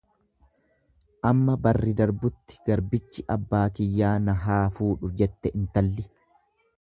Amma barri darbutti garbichi abbaa kiyyaa na haa fuudhu jette intalli.